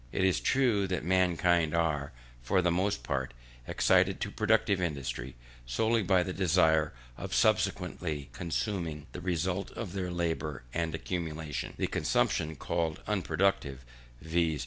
It is true that mankind are, for the most part, excited to productive industry solely by the desire of subsequently consuming the result of their labour and accumulation. The consumption called unproductive, viz.